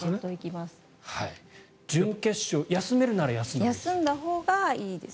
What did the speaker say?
準決勝休めるなら休んだほうがいい。